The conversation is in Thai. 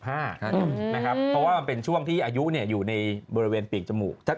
เพราะว่ามันเป็นช่วงที่อายุอยู่ในบริเวณปีกจมูก